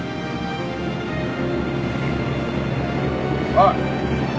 おい。